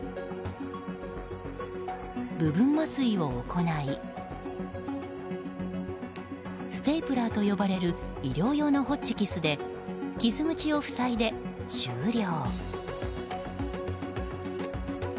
部分麻酔を行いステープラーと呼ばれる医療用のホチキスで傷口を塞いで、終了。